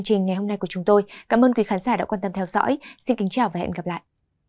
cảm ơn các bạn đã theo dõi và hẹn gặp lại